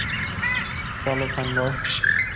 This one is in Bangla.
চলো, ফ্যানবয়।